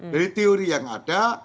jadi teori yang ada